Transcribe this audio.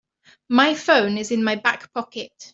My phone is in my back pocket.